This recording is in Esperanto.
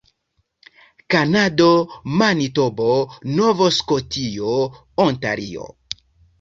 Kanado: Manitobo, Nov-Skotio, Ontario.